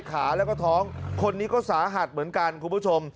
ขาแล้วก็ท้องคนนี้ก็สาหัสเหมือนกันคุณผู้ชม